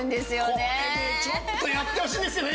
これねちょっとやってほしいんですけど。